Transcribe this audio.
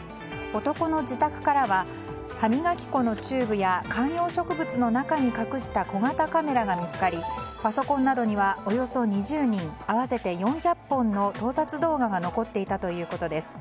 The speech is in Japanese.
男の自宅からは歯磨き粉のチューブや観葉植物の中に隠した小型カメラが見つかりパソコンなどにはおよそ２０人合わせて４００本の盗撮動画が残っていたということです。